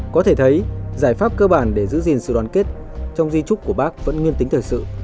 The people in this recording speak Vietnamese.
có thể thấy giải pháp cơ bản để giữ gìn sự đoàn kết trong di trúc của bác vẫn nguyên tính thời sự